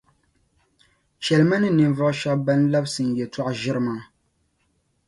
Chεli Ma ni ninvuɣu shεba ban labsi N yεltɔɣa ʒiri maa.